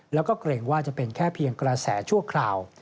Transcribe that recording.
แล้วก็เกรงว่าจะเป็นแค่เพียงกระแสชั่วคราว